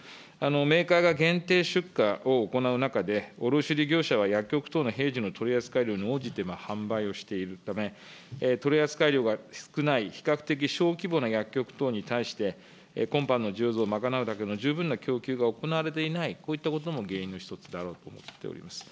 メーカーが限定出荷を行う中で、卸売業者は薬局等の平時の取り扱い量に応じて販売をしているため、取扱量が少ない、比較的小規模な薬局等に対して、今般の需要を賄うための十分な供給が行われていない、こういったことも原因の一つであろうと思っております。